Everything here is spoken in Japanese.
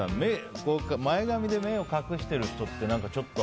前髪で目を隠している人ってちょっと。